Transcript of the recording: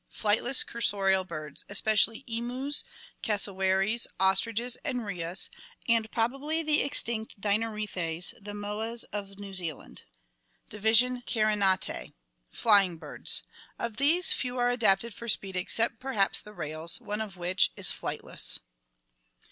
Flightless cursorial birds. Especially emus, cassowaries, ostriches, and rheas, and probably the extinct Dinornithes, the moas of New Zealand. 294 CURSORIAL AND FOSSORIAL ADAPTATION 295 Division Carinatae. Flying birds. Of these few are adapted for speed except perhaps the rails, one of which (Aptornis) is flightless.